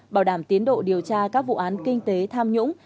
bảo đảm tiến độ điều tra các vụ án kinh tế tham nhũng